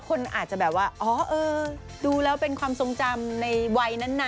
คนอาจจะแบบว่าอ๋อเออดูแล้วเป็นความทรงจำในวัยนั้นนะ